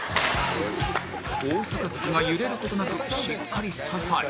大盃が揺れる事なくしっかり支え